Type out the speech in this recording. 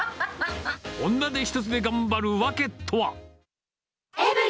女手一つで頑張る訳とは。